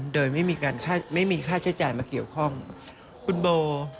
โดยไม่มีค่าใช้จ่ายมาเกี่ยวข้องคุณโบ